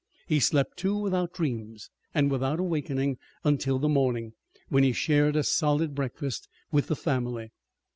He slept, too, without dreams, and without awakening until the morning, when he shared a solid breakfast with the family.